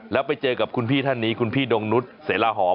แล้วไปเจอกับคุณพี่ท่านนี้คุณพี่ดงนุษย์เสลาหอม